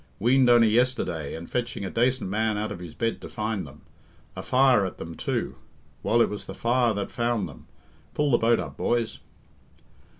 Weaned only yesterday, and fetching a dacent man out of his bed to find them. A fire at them, too! Well, it was the fire that found them. Pull the boat up, boys."